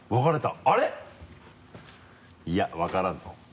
いや分からんぞ。